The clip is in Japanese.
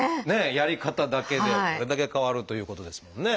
やり方だけでこれだけ変わるということですもんね。